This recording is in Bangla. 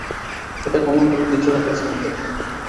এটা কমান্ডারের পিছু হটার সংকেত।